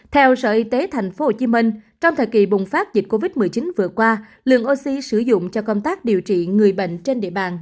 theo sở y tế tp hcm trong thời kỳ bùng phát dịch covid một mươi chín vừa qua lượng oxy sử dụng cho công tác điều trị người bệnh trên địa bàn